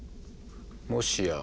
もしや。